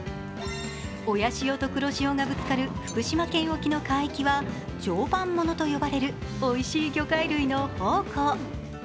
親潮と黒潮がぶつかる福島県沖の海域は、常磐ものと呼ばれるおいしい魚介類の宝庫。